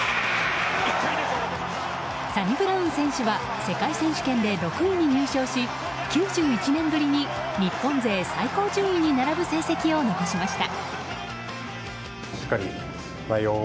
サニブラウン選手は世界選手権で６位に入賞し９１年ぶりに日本勢最高順位に並ぶ成績を残しました。